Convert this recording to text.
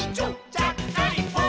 ちゃっかりポン！」